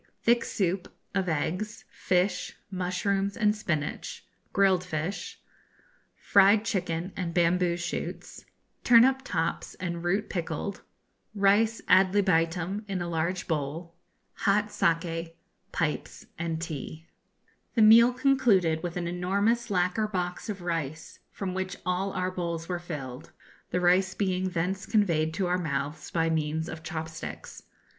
Thick Soup, of Eggs, Fish, Mushrooms, and Spinach; Grilled Fish. Fried Chicken, and Bamboo Shoots. Turnip Tops and Root Pickled. Rice ad libitum in a large bowl. Hot Saki, Pipes and Tea. The meal concluded with an enormous lacquer box of rice, from which all our bowls were filled, the rice being thence conveyed to our mouths by means of chop sticks.